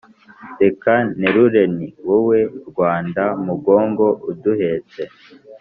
reka nterure nti wowe rwanda mugongo uduhetse